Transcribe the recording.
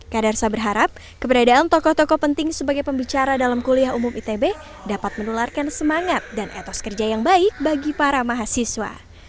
kadarsa berharap keberadaan tokoh tokoh penting sebagai pembicara dalam kuliah umum itb dapat menularkan semangat dan etos kerja yang baik bagi para mahasiswa